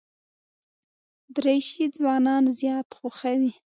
دریشي ځوانان زیات خوښوي.